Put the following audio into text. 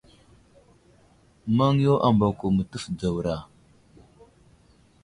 Maŋ yo ambako mətəf dzawra.